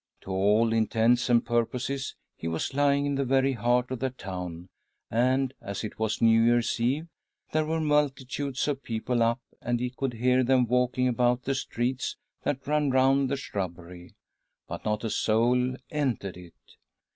To all intents and purposes he was lying in the very heart of. the town, and, as it was New Year's Eve, there were multitudes of people up, and he could hear them walking about the streets that ran round the shrubbery— but not a soul entered it.